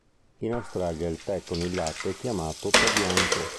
In Australia il tè con il latte è chiamato "tè bianco".